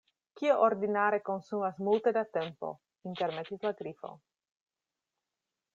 "Kio ordinare konsumas multe da tempo," intermetis la Grifo.